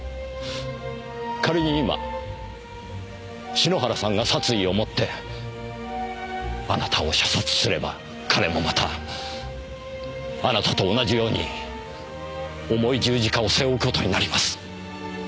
仮に今篠原さんが殺意を持ってあなたを射殺すれば彼もまたあなたと同じように重い十字架を背負う事になります。